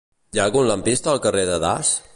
Hi ha algun lampista al carrer de Das?